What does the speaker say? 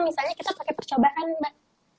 misalnya kita pakai percobaan mbak